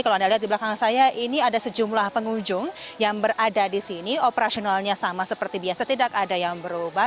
kalau anda lihat di belakang saya ini ada sejumlah pengunjung yang berada di sini operasionalnya sama seperti biasa tidak ada yang berubah